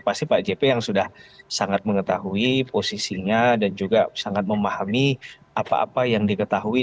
pasti pak jp yang sudah sangat mengetahui posisinya dan juga sangat memahami apa apa yang diketahui